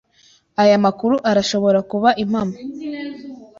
Aya makuru arashobora kuba impamo?